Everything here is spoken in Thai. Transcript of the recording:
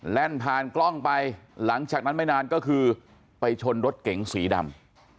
แล่นผ่านกล้องไปหลังจากนั้นไม่นานก็คือไปชนรถเก๋งสีดำ